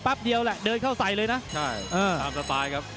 เดียวแหละเดินเข้าใส่เลยนะใช่ตามสไตล์ครับ